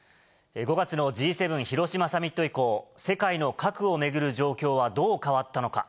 ５月のＧ７広島サミット以降、世界の核をめぐる状況はどう変わったのか。